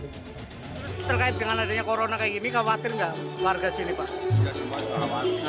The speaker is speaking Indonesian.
terus terkait dengan adanya corona kayak gini khawatir nggak warga sini pak